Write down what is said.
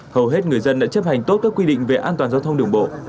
hầu hết người dân đã chấp hành tốt các quy định về an toàn giao thông đường bộ